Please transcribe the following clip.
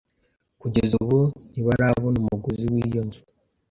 Kugeza ubu ntibarabona umuguzi w'iyo nzu.